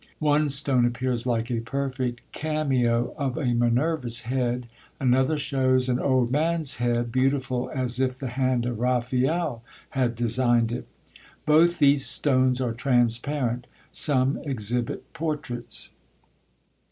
One stone appears like a perfect cameo of a Minerva's head; another shows an old man's head, beautiful as if the hand of Raffaelle had designed it. Both these stones are transparent. Some exhibit portraits.